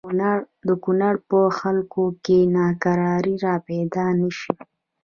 د کونړ په خلکو کې ناکراری را پیدا نه شي.